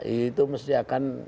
itu mesti akan